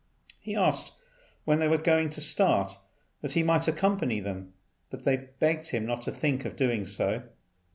He asked when they were going to start, that he might accompany them; but they begged him not to think of doing so.